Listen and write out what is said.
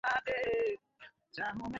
আমি কথা বলতে চাই না, ব্যস!